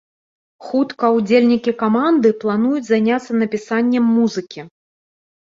Хутка удзельнікі каманды плануюць заняцца напісаннем музыкі.